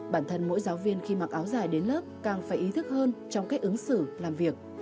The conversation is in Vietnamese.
bản thân mỗi giáo viên khi mặc áo dài đến lớp càng phải ý thức hơn trong cách ứng xử làm việc